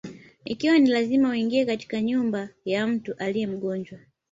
Ikiwa ni lazima uingie katika nyumba ya mtu aliye mgonjwa: